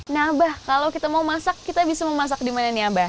nah abah kalau kita mau masak kita bisa memasak di mana nih abah